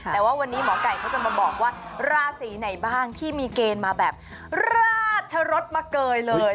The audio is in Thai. แต่ว่าวันนี้หมอไก่เขาจะมาบอกว่าราศีไหนบ้างที่มีเกณฑ์มาแบบราชรสมาเกยเลย